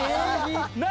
何？